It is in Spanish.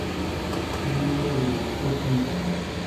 Es miembro de los X-Men.